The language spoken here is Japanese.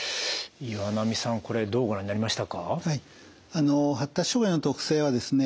あの発達障害の特性はですね